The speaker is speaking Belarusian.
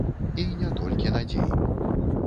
І не толькі надзей!